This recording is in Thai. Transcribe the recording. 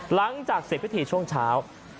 หลังจากเสร็จพิธีช่วงเช้า